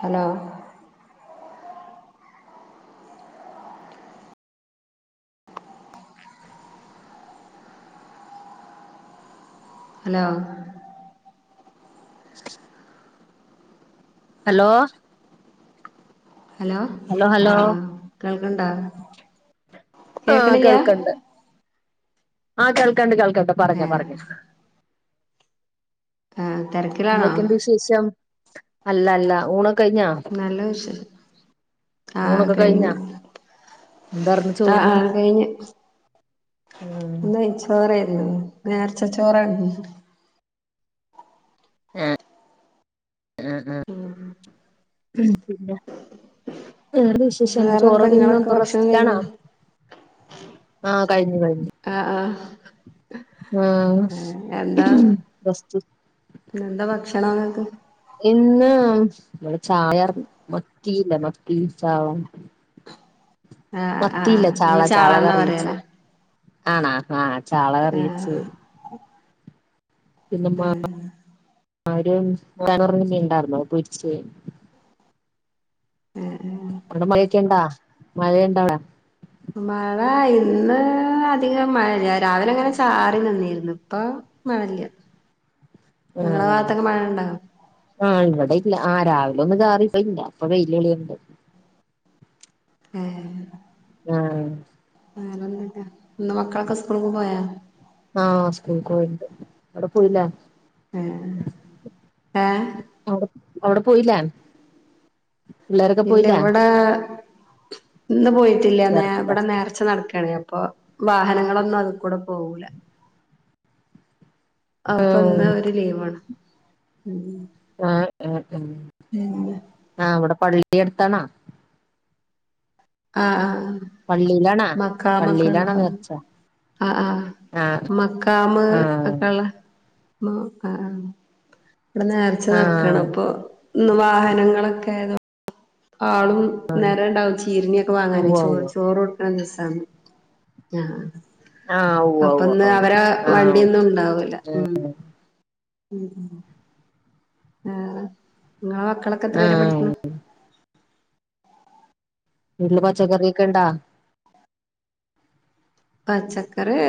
Hello hello സ് hello hello ആഹ് ആഹ് കേൾക്കണ്ടാ ആഹ് കേക്ക്ണില്ലാ കേൾക്കണ്ട് ആഹ് കേൾക്കണ്ട് കേൾക്കണ്ട് ഏ പറഞ്ഞോ പറഞ്ഞോ ആഹ് തെരക്ക് എന്തൊക്കെണ്ട്‌ വിശേഷം അല്ല അല്ല ഊണ് നല്ല വിശേഷ ആഹ് ഊണൊക്കെ കഴിഞ്ഞ് കഴിഞ്ഞാ എന്താർന്ന് ആഹ് ചോറിന് ആഹ് കയിഞ്ഞ് ഉം നെയ്ച്ചോറായിരുന്ന്‌ നേർച്ചച്ചോറാര്ന്ന്‌ ഏഹ് ആഹ് ആഹ് ഉം പിന്നെ വേറെ വിശേഷംന്ത് വേറെന്താ ചോറ്തിന്ന്‌ നിങ്ങളൊക്കെ പ ഭക്ഷണം റസ്റ്റിലാണാ കഴിഞ്ഞോ ആഹ് കയിഞ്ഞ് കഴിഞ്ഞ് ആഹ് ആഹ് ആഹ് റസ്റ്റ് എന്താഭക്ഷണങ്ങക്ക്? ഇന്ന് മ്മടെ ചായർ മത്തിയില്ല മത്തി ചാ ള ആ ആ മത്തിയില്ല നിങ്ങള് ചാള ചാളാന്നാ ചാളകറിയെച്ച് പറയലാ ആണ ആഹ് ആ ചാളകറിയെച്ച് പിന്നെ ആ ആ ഒരു കറ വീണ്ടായിരുന്നോ പിരിച്ച് [unintelligible] ആ ആ അവിടെ മയൊക്കെണ്ടാ മഴയുണ്ടാ വിടെ? മഴ ഇന്ന് അധികം മഴല്ല രാവിലങ്ങനെ ചാറി നിന്നിരുന്നു പ്പ മഴെല്ല ആഹ് ആഹ് ഇവിടെയില്ല ആഹ് രാവിലെ ഒന്ന് ചാ റിഇപയില്ല പ്പ വെയില്ളിയുന്നുണ്ട് ആഹ് ആഹ് ഫാനൊന്നിട ഇന്ന് മക്കളൊക്കെ സ്കൂളിക്ക് പോയാ ആഹ് സ്കൂളിക്ക് പോയിട്ട്ണ്ട് അവിടെ പോയില്ലേ? ഉം ഏഹ് അടെ അവിടെ പോയില്ലാൻ ഇല്ല ഇവിടെ ഇന്ന് പോയിട്ടില്ല നേ ചെറുതാ ഇവിടെ നേർച്ച നടക്കണ അപ്പൊ വാഹനങ്ങളൊന്നും അതി കൂടെ പോവൂല അപ്പന്ന ആഹ് ഒരു ലീവാണ് ആഹ് ആഹ് പിന്നെ ആഹ് ഇവിടെ പള്ളി അടുത്താണാ ആഹ് ആഹ് പള്ളിയിലാണാ പള്ളിയിലാണോ മക്കാമക്കള്ളതാ നേർച്ച ആഹ് ആഹ് ആഹ് മക്കാമ ആഹ് ഒക്കെള്ള ആഹ് ഇവിടെ നേർച്ച നടക്കണം ആഹ് അപ്പൊ വാഹനങ്ങളൊക്കെ ആതോ ആളും നേരം ഉണ്ടാവും ചീരണയൊക്കെ വാങ്ങാന ഉവ്വ ചോറ് ഉവ്വ ചോറ് നല്ല രസാണ് ആഹ് ആഹ് ആഹ് ഉവ്വ ഉവ്വ അപ്പൊന്ന് അവരെ ആഹ് വണ്ടിയൊന്നും ഓക്കെ ഓക്കെ ഉണ്ടാവൂല ഉം ഉം വേറെ നിങ്ങളെ മക്കളൊക്കെ എത്രല ആഹ് പഠിക്കണം വീട്ടില് പച്ചക്കറിയൊക്കെ ഉണ്ടാ പച്ചക്കറി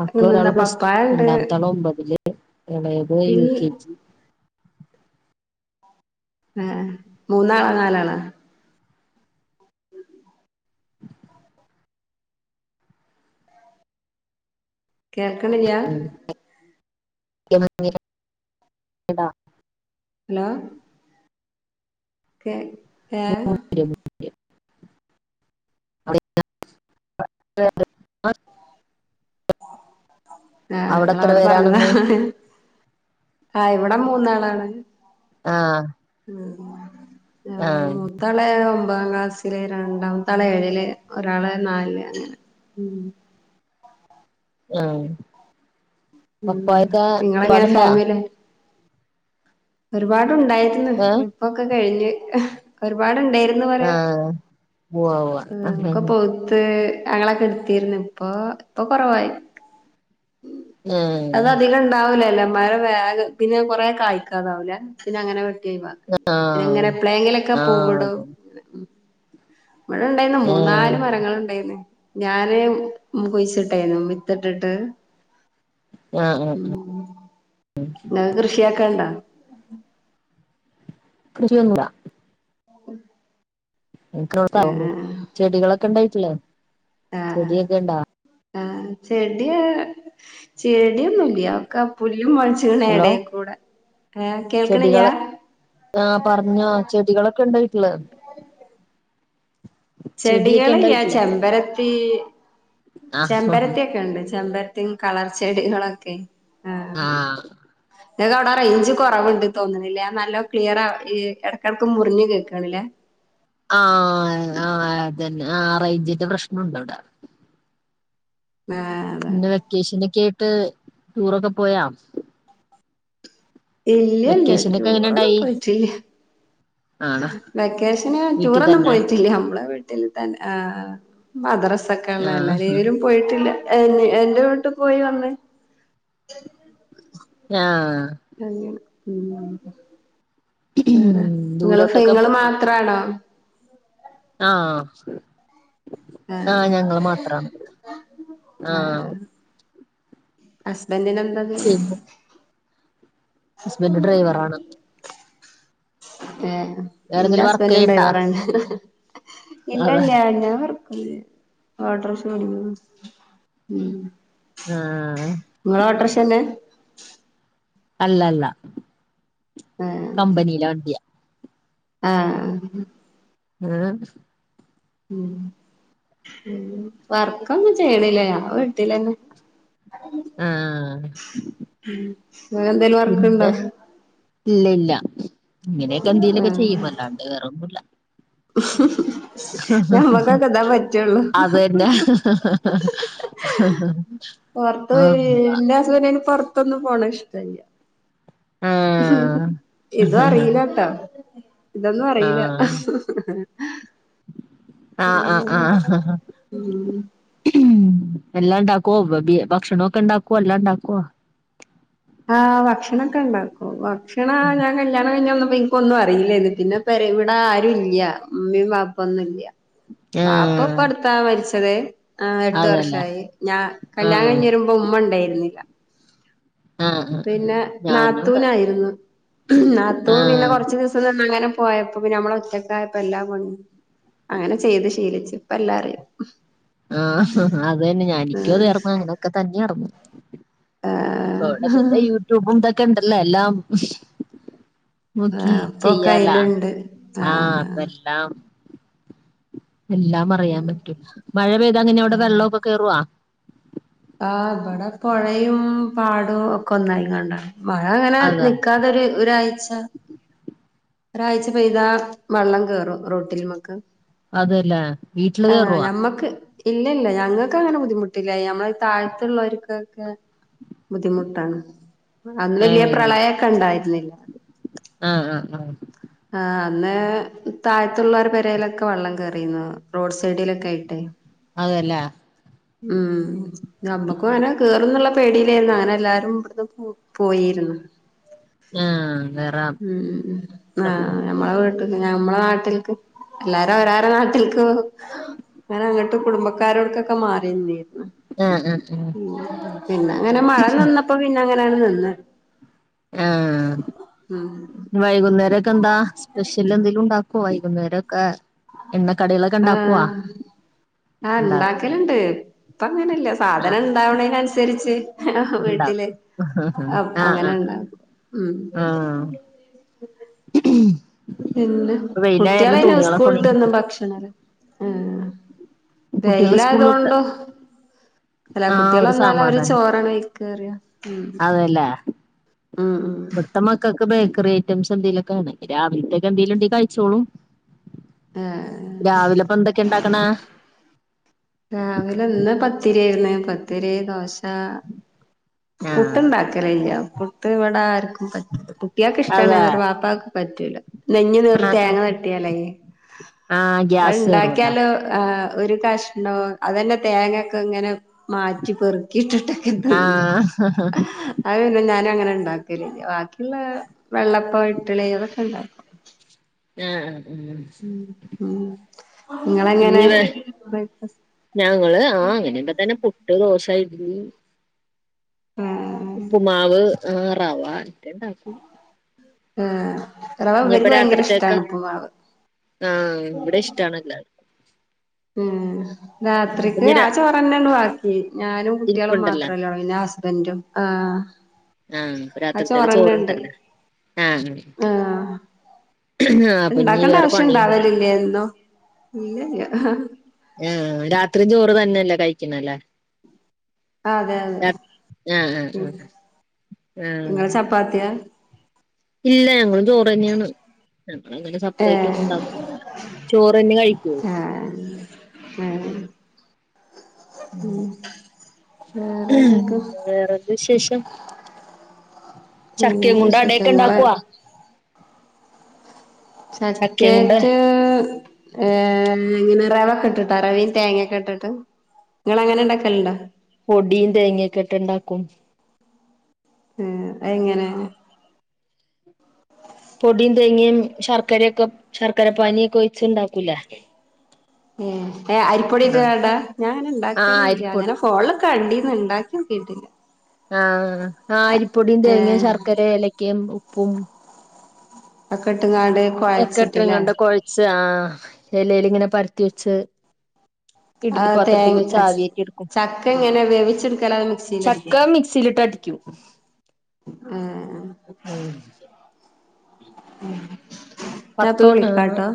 മക്കള ഒരാള് പിന്നെന്താ പ്ലസ്ടു പപ്പായ ഉണ്ട് രണ്ടാമതോളം ഒൻമ്പതില് എളേത് ഇൽ യു കെ ജി ഏഹ് ഏഹ് മൂന്നാള നാലാളൊ കേൾക്കണില്ല [unintelligible] ഹലോ കെ [unintelligible] ആഹ് അവിടെ എത്ര ഇങ്ങളവിടെ പേരാണെന്ന് പറഞ്ഞതാണ് ആ ഇവിടെ മൂന്നാളാണ് ആഹ് മം ആഹ് ത്തത് ഒമ്പതാം ക്ലാസ്സില്, രണ്ടാമത്തെ ആള് ഏഴില്, ഒരാള് നാല് അങ്ങനെ ഉം ആഹ് ഉം പപ്പയൊക്കെ നിങ്ങളെങ്ങനെ ഒരുപാട്ണ്ടോ ഫാമിലി ഒരുപാടുണ്ടായിരുന്നു. ഏഹ് ഇപ്പൊക്കെ കഴിഞ്ഞ് ഒരുപാടുണ്ടായിരുന്നു പറയാ ആഹ് ഉവ്വ ഒക്കെ ഉവ്വ പോ ത്ത് ഞങ്ങളൊക്കെ എടുത്തിന്ന് ഇപ്പൊ ഇപ്പൊ കുറവായി ഏഹ് അത് അധികം ഉണ്ടാവുലല്ലോ മരം വേഗം പിന്നെ കൊറെ കായ്ക്കാതെആവുലേ പിന്നെ അങ്ങനെ പിന്നെ ആഹ് എങ്ങനെ എപ്പോലെങ്കിലൊക്കെ ആഹ് പൂവിടും അതെ ഇവിടെ ഇണ്ടായിന്ന്, മൂന്നാല് ഏഹ് മരങ്ങൾ ഉണ്ടായിരുന്നു ഞാന് കുഴിച്ചിട്ടായിരുന്നു വിത്തിട്ടിട്ട് ആഹ് ആഹ് മം ങ്ങൾക്ക് കൃഷിയാക്കണ്ടോ? ൃശനൂ [unintelligible] ഉ എനക്ക് ഇവടെ [unintelligible] ചെടികളൊക്കെ ഇണ്ടായിട്ടില്ലേ, ചെടിയൊക്കെ ഉണ്ടാ? ആ ചെടിയ ചെടിയൊന്നുല്ല ഒക്കെ പുല്ലും മുളച്ചു ച്ച്ണ് ഹലോ ഇടക്കൂടെ, ഏഹ് കേൾക്കണില്ല ചെടികള് ആഹ് പറഞ്ഞോ ചെടികളൊക്കെ ഉണ്ടായിട്ട ചെടിയൊക്കെ ഇണ്ടാ ചെടികളില്ല വീട്ടില് ചെമ്പരത്തി ആഹ് ചെമ്പരത്തിയൊക്കെ ഉണ്ട്, ചെമ്പര ത്തിമം കളർച്ചെടികളൊക്കെ ആഹ് ങ്ങക്ക് അവിടെ റേഞ്ച് കുറവുണ്ട് തോന്നണില്ലേ? നല്ലോ ക്ലിയറ ഈ ഇടക് ഇടക്ക് മുറിഞ് കേൾക്കണില്ലേ ആഹ് ആഹ് അതന്നെ ആഹ് റേഞ്ജിന്റെ പ്രശ്നംണ്ട് ഇവിടെ ആഹ് അതാണ് പിന്നെ വെക്കേഷനൊക്കെ ആയിട്ട് ടൂറൊക്കെ പോയാ ഇല്ല ഇല്ല വെക്കേഷനൊക്കെ എങ്ങനെ ടൂറൊന്നും ഇണ്ടായി പോയിട്ടില്ല ആണോ വെക്കേഷന് വീട്ടിൽ ടൂറൊന്നും തന്നെ പോയിട്ടില്ല നമ്മളെ ഇവ് ടെ വീട്ടിൽ തന്നെ. ആഹ് മദ്രസൊക്കെ ഉള്ളല്ലേ ആഹ് അല്ലേലും പോയിട്ടില്ല എ എന്റെ വീട്ട് പോയി വന്ന്. ഞാ അങ്ങനെ മം വേറെ, നിങ്ങള് ദൂരോട്ടൊക്കെ ഇങ്ങള് പോ മാത്രാണോ? ആഹ് ആഹ് ഞങ്ങൾ മാത്രമാണ്. ആഹ് ഹസ്ബൻറിന് എന്താ ജോലി? ഹസ്ബന്ഡ് ഡ്രൈവർ ആണ് ഏഹ് ഇന്റെ വേറെന്തേലും വർക്ക് ഹസ്ബൻറ് ഉണ്ടായിണു ചെയ്യ്ണ്ടാ പറയണ് ഇല്ലല്ല അതെ ആ [unintelligible] ആഹ്. ഇങ്ങളോട്ടർഷന്നെ. അല്ല ല്ല. ഏഹ്. കമ്പനിലെ വണ്ടിയാ. ആഹ്. ആഹ്. ഉം വർക്കൊന്നും ചെയ്യണില്ല ഞാൻ വീട്ടിലന്നെ ആഹ്. ഉം ഇങ്ങകെന്തെലും വർക്ക്ണ്ടോ. പിന്നെ ഇല്ല ഇല്ല ഇങ്ങനെയൊക്കെ എന്തേലൊക്കെ ആഹ് ചെയ്യും അല്ലാണ്ട് വേറൊന്നുല്ല. ഞമ്മക്കൊക്കെ ഇതാ പറ്റുള്ളൂ അത് തന്നെ അ. [unintelligible] ത്ത് പിന്നയ്ന് പൊർത്തൊന്നും പോണ ഇഷ്ടല്ല ആഹ് ഇതു ആഹ് അറീലട്ടോ ഇതൊന്നും അറീല. [unintelligible] ആഹ് ഉം. എല്ലാണ്ടാക്കുവോ വ ഭി ഭക്ഷണം ഒക്കെണ്ടാക്കുവോ എല്ലാം ഇണ്ടാക്കുവോ. ആഹ് ഭക്ഷണൊക്കെ ണ്ടാക്കും ഭക്ഷണ ഞാൻ കല്യാണം കഴിഞ്ഞന്നപ്പൊ ഇൻ ഇപ്പൊന്നു അറീലന്ന് പിന്നെ പെരി ഇവിടാരു ഇല്ല മ്മിയും പാപ്പൊന്നുല്ല. വാപ്പ ഏഹ് ഇപ്പട്ത്താ മര്ച്ചത് ഏഹ് എട്ട് അതല്ലേ വർഷായി ഞാൻ കല്യാണം ആഹ് കയ്ഞ്ഞ് വരു മ്പം ഉമ്മ ഉണ്ടേയിരുന്നില്ല. ആഹ് ആഹ് പിന്നെ ഞാനും അതെ നാത്തൂനായിരുന്നു നാത്തൂ പിന്നെ ആഹ് കൊർച്ച് ദിവസ ത്ത്ന്ന്ങനെ പോയപ്പൊ പിന്നെ നമ്മളൊറ്റക്കായപ്പോ എല്ലാം കൊ അങ്ങനെ ചെയ്ത് ശീലിച്ച് ഇപ്പ എല്ലാ അറിയും. ആഹ് അതന്നെ ഞാ എനിക്കും അതർന്നു അങ്ങനെയൊക്കെ തന്നെയർന്നു. ആഹ് അവിടെ പിന്നെ യൂട്യൂബും ഇതൊക്കെ ഇണ്ടല്ലോ എല്ലാം. നോക്കി ആഹ് ഇപ്പൊക്കെ ചെയ്യാലാ അയിലുണ്ട് ആഹ് ഇപ്പല്ലാം. എല്ലാം അറിയാൻ പറ്റൂ മഴ പെയ്ത അങ്ങനെ അവിടെ ആഹ് വെള്ളൊക്കെ കേറുവാ. ആഹ് ഇവടെ പൊഴയും പാടും ഒക്കെ ഒന്നായിക്കണ്ട. മഴ അങ്ങനെ അതെ നിക്കാതൊരു ഒരാഴ്ച. ഒരാഴ്ച പെയ്താ വെള്ളം കേറും റോട്ടിൽമക്ക്. അതല്ലേ വീട്ടില് ഏഹ് കേറുവാ ഞമ്മക്ക് ഇല്ല ല്ല ഞങ്ങക്ക് അങ്ങനെ ബുദ്ധിമുട്ടില്ല ഞമ്മള്. താഴത്തുള്ളവര്ക്കൊക്കെ ബുദ്ധിമുട്ടാണ്. അന്ന്ല്ല ഏഹ് പ്രളയക്കെണ്ടായിരുന്നില്ല. ആഹ് ആഹ് ആഹ്. ആഹ് അന്ന് താഴത്തുള്ളവരെ പെരേലൊക്കെ വള്ളം കേറിന്നു റോഡ് സൈഡിലക്കയിട്ടേ. അതല്ലേ. ഉം ഞ്ഞമ്മക്കു അങ്ങനെ കേറുന്നുള്ള. പെടിയിലേന്ന് അങ്ങനെ എല്ലാരും ഇവിടുന്ന് പോ പോയിരുന്ന്. ആഹ് വരാം. ആഹ് ഞമ്മളെ വീട്ട്ക്ക് ഞ്ഞമ്മളെ നാട്ടിൽക്ക് എല്ലാരും അവരാര നാട്ടിൽക്ക് പോവും. ങ്ങനെ അങ്ങട്ട് കുടുംബക്കാരോട്ക്കൊക്കെ മാറി നിന്നീര്ന്നു. ആഹ് ആഹ് ആഹ്. ഉം പിന്നങ്ങനെ മഴ നിന്നപ്പോ പിന്നങ്ങനണ് നിന്ന്. ഉം വൈകുന്നേര ക്കെന്താ സ്പെഷ്യൽ എന്തേലും ഉണ്ടാക്കോ വൈകുന്നേരൊക്കെ എണ്ണ കടിളൊക്കെ ഉണ്ടാക്കുവോ ആ ആഹ് ഇണ്ടാക്കല്ണ്ട് ഇപ്പ അങ്ങനില്ല ആഹ് സാധനം ഇണ്ടാവണേന് അനുസരിച്ച് വീട്ടില് ഉണ്ടാക്കും അ ആഹ് അങ്ങനെ ആഹ് ഉണ്ടാക്കും ഉ ആഹ് [unintelligible] പിന്നെ ഇപ്പൊ വെയിലായാരണം കുട്ടികളന്നെ തുണികളൊക്കെ സ്കൂളട്ട് ഉണങ്ങി കിട്ടി വന്നും ഭക്ഷണല് ആ കുട്ടികൾ വെയ്ലായായത് സ്കൂൾ വിട്ട് കൊണ്ടോ അല്ല ആഹ് കുട്ടികൾ ഒരു വന്നാല് അവര് സമാധാനം ചോറാണ് കഴി കേറിയാം അതല്ലേ ഇവിടുത്തെ മക്കൾക്ക് ബേക്കറി ഐറ്റംസ് എന്തിലൊക്കെ രാവിലത്തേക്ക് എന്തേലും ഉണ്ടേ കഴിച്ചോളും ആഹ് രാവിലെപ്പൊ എന്തൊക്കെ ഉണ്ടാക്കണ രാവിലെ ഇന്ന് പത്തിരി ആയിരുന്നു പത്തിരി ദോശ ആഹ് പുട്ടുണ്ടാക്കല് ഇല്ല പുട്ട് ഇവിടെ ആർക്കും പറ്റത് കുട്ടികൾക്ക് ഇഷ്ടാണ് അതെ അവര് ആഹ് പാപ്പ പറ്റൂല നെഞ്ഞ് നീറി ആഹ് തേങ്ങ വെട്ടിയാലേ ആഹ് ഗ്യാസ് കേറുവല്ലോ അത്ണ്ടാക്കിയാലോ ആ ഒരു കഷ്ണവും അതന്നെ തേങ്ങൊക്കെ ഇങ്ങനെ മാറ്റി പെറുക്കിയിട്ടിട്ട് ത് തിന്നാ ആഹ് അത് പിന്നെ ഞാന് അങ്ങനെ ഉണ്ടാക്കലില്ല ബാക്കിയുള്ള വെള്ളപ്പം ഇട്ടിലി അതൊക്കെ ഉണ്ടാക്കും ആഹ് ഉം ഉം ഉം ഉം നിങ്ങളെങ്ങനെ ഇനിവ ബ്രേക്ക്ഫാസ്റ്റ് ഞങ്ങള് ആഹ് അങ്ങനെയ്പ തന്നെ പുട്ട് ദോശ ഇട്ടിലി ആഹ് ഉപ്പുമാവ് ആ റാവ ഇക്കെണ്ടാക്കും ആ ഇനിപ്പ റവവർക്ക് ഭയങ്കര രാത്രിത്തേക്ക ഇഷ്ടാണ് ഉപുമാവ് ആഹ് ഇവിടെം ഇഷ്ടാണെല്ലാർക്കും ഉം അപ്പൊ രാത്രിക്ക് ഇനി ആ രാ ചോറ് തന്നെ ബാക്കി ഞാനും കുട്ടികളും ഇരിപ്പുണ്ടല്ലോ മാത്രല്ല പിന്നെ ഹസ്ബൻറും ആഹ് ആഹ് ആ രാത്രിത്തേക്ക് ചോറന്നെണ്ട് ചോറ്ണ്ടല്ലോ ആഹ് ആഹ് അപ്പൊ ഇനി ഇണ്ടാക്കേണ്ട വേറെ ആവശ്യം പണിയൊന്നുല്ല ഇണ്ടാവലില്ലേ എന്നും ഇല്ലല്ല ആഹ് രാത്രി ചോറ് തന്നെയല്ലേ കഴിക്കുന്ന എല്ലാരും അതെ അതെ ആഹ് ആഹ് ആഹ് പാത്തിയാ ഇല്ല ഞങ്ങളും ചോറ് തന്നെയാണ് ഞമ്മള് അങ്ങനെ സപ്പറേറ്റ് ഒന്നും ഏഹ് ഉണ്ടാകില്ല ചോറ് തന്നെ കഴിക്കുള്ളൂ എഹ് ഉം വേറെന്ത് വിശേഷം നല്ല ചക്കേംകൊണ്ട് വിശേഷം അടേക്കെ ഇങ്ങള് ഇണ്ടാക്കോ ചക്കേറ്റ് ഏ അങ്ങനെ റവൊക്കെ ഇട്ടിട്ടോ അറവയും തേങ്ങൊക്കെ ഇട്ടിട്ട് നിങ്ങളെ ങ്ങനെ ഇണ്ടൊക്കലുണ്ടോ പൊടിയും തേങ്ങേക്കിട്ട് ഒണ്ടാക്കും ഏ അയെങ്ങനെ പൊടിയും തേങ്ങയും ശർക്കരയൊക്കെ ശർക്കര പാനിയൊക്കെ ഒഴിച്ച്ണ്ടാക്കൂലേ ഏഏ അരിപ്പൊടിത് വേണ്ടാ ഞാങ്ങനെ ആഹ് ണ്ടാക്കലില്യ അരിപ്പൊടി ങ്ങനെ ഫോൺല് കണ്ടീന്ന്. ഇണ്ടാക്ക്യോക്കീട്ടില്ല. ആഹ്. ആഹ് അരിപ്പൊടിം തേങ്ങേ ഏഹ് ശർക്കരേം എലക്കേം ഉപ്പും ഒക്കെട്ട്ങ്ങാണ്ട്, എക്കട്ട്ങ്ങണ്ട് കൊഴച്ച് ആഹ് എലേല് ങ്ങനെ പരത്തി വെച്ച്. ആ ഇഡ്ലി പാത്രത്തിൽ വെച്ച് തേങ്ങ ആവ്യേറ്റിട്ക്കും. ചക്ക ഇങ്ങനെ വേവിച്ചെടുക്കല അത് മിക്സിൽ അടിക്കല ചക്ക മിക്സ്‌ സിലിട്ടടിക്യും. ആ ഊം ഉം. ഞാപ്പൊ പത്ത് ആഹ് വിളിക്കാട്ടോ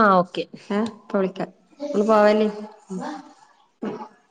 ആഹ് ഓക്കെ ഏഹ് ഇപ്പൊ വിളിക്കാ. ഇങ്ങള് പോവല്ലി.